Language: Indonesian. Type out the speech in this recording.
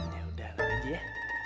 yaudah nanti aja ya